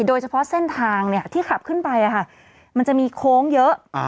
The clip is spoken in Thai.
โดยเฉพาะเส้นทางที่ขับขึ้นไปมันจะมีโค้งเยอะ